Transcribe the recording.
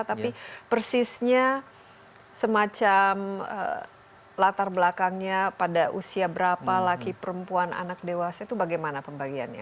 tapi persisnya semacam latar belakangnya pada usia berapa laki perempuan anak dewasa itu bagaimana pembagiannya